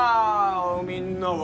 みんなは？